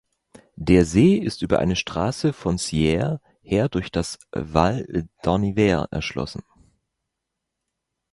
Der See ist über eine Strasse von Sierre her durch das Val d’Anniviers erschlossen.